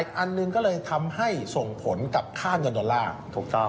อีกอันหนึ่งก็เลยทำให้ส่งผลกับค่าเงินดอลลาร์